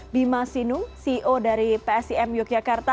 bima sinu ceo dari psim yogyakarta